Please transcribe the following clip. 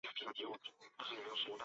随后当地百姓自立冶县。